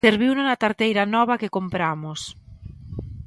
Serviuno na tarteira nova que compramos